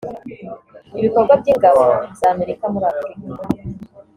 ibikorwa by’ingabo za Amerika muri Afurika